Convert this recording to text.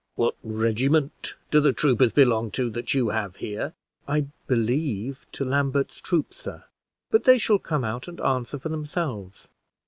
"What regiment do the troopers belong to that you have here?" "I believe to Lambert's troop, sir; but they shall come out and answer for themselves.